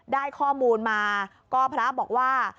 ได้ข้อมูลมาก็พระบอกว่า